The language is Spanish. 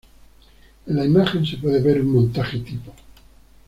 En la imagen se puede ver un montaje tipo.